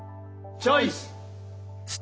チョイス！